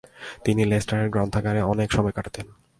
তিনি লেস্টারের গণগ্রন্থাগারে অনেক সময় কাটাতেন।